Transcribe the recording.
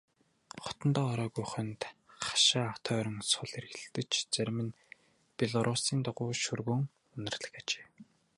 Хотондоо ороогүй хоньд хашаа тойрон сул эргэлдэж зарим нь белоруссын дугуй шөргөөн үнэрлэх ажээ.